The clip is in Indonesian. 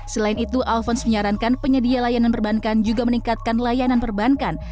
selain itu alfons menyarankan penyedia layanan perbankan juga meningkatkan layanan perbankan